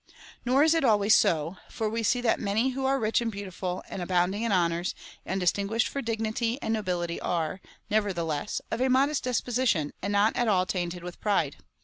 ^ Nor is it always so ; for we see that many who are rich and beautiful, and abounding in honours, and distinguished for dignity and nobility, are, nevertheless, of a modest disposition, and not at all tainted with pride.